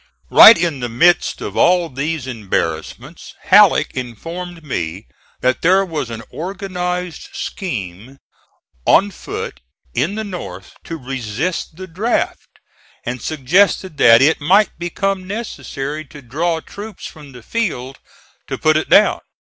Right in the midst of all these embarrassments Halleck informed me that there was an organized scheme on foot in the North to resist the draft, and suggested that it might become necessary to draw troops from the field to put it down.